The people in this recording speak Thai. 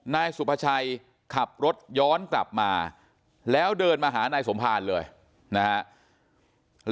นายสุภาชัยขับรถย้อนกลับมาแล้วเดินมาหานายสมภารเลยนะฮะ